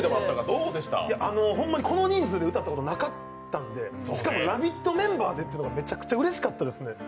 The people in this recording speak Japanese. この人数で歌ったことがなくってしかもラヴィットメンバーっていうのがめっちゃうれしかったですね。